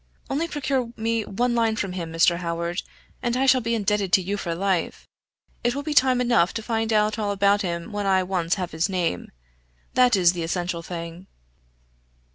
"Only procure me one line from him, Mr. Howard, and I shall be indebted to you for life. It will be time enough to find out all about him when I once have his name that is the essential thing."